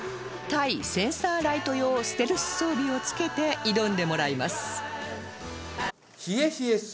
対センサーライト用ステルス装備を着けて挑んでもらいます